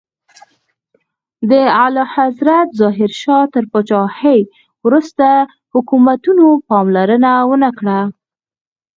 د اعلیحضرت ظاهر شاه تر پاچاهۍ وروسته حکومتونو پاملرنه ونکړه.